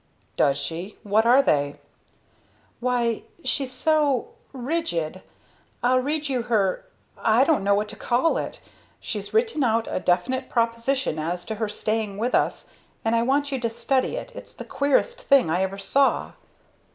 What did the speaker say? "Does she? What are they?" "Why she's so rigid. I'll read you her I don't know what to call it. She's written out a definite proposition as to her staying with us, and I want you to study it, it's the queerest thing I ever saw."